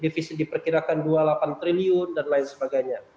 dua ribu sembilan belas defisit diperkirakan dua puluh delapan triliun dan lain sebagainya